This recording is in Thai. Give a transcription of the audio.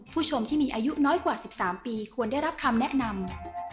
ผู้ชมที่มีอายุน้อยกว่า๑๓ปีควรได้รับคำแนะนำ